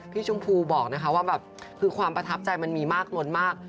ชมพูบอกนะคะว่าแบบคือความประทับใจมันมีมากล้นมาก